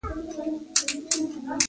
ماموریت نور ختم دی.